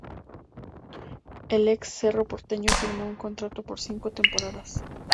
El ex Cerro Porteño firmó un contrato por cinco temporadas.